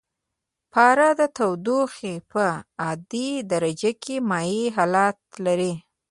پاره د تودوخې په عادي درجه کې مایع حالت لري.